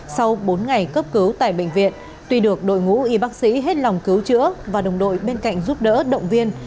sau bốn ngày cấp cứu tại bệnh viện tuy được đội ngũ y bác sĩ hết lòng cứu chữa và đồng đội bên cạnh giúp đỡ động viên